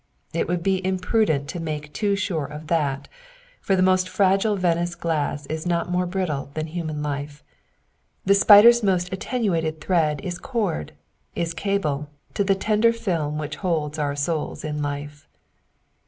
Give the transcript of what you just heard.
It would be imprudent to make too sure of that ; for the most fragile Venice glass is not more brittle than human life : "The spider's most attenuated thread Is cord, is cable, to the tender film Which holds our soul in life."